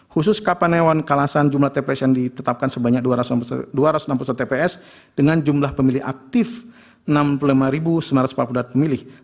khusus kapanewon kalasan jumlah tps yang ditetapkan sebanyak dua ratus enam puluh satu tps dengan jumlah pemilih aktif enam puluh lima sembilan ratus empat puluh dua pemilih